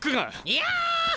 いや！